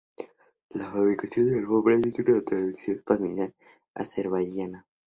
La fabricación de alfombras es una tradición familiar azerbaiyana.